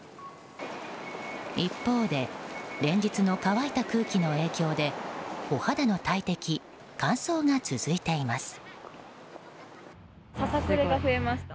一方で、連日の乾いた空気の影響でお肌の大敵、乾燥が続いています。